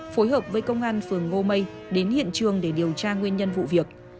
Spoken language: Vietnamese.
phối hợp với công an phường ngô mây đến hiện trường để điều tra nguyên nhân vụ việc